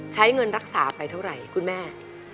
ใช้เงินรักษาไปเท่าไหร่คุณแม่